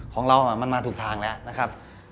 ของเรามันมาถูกทางแล้วนะครับ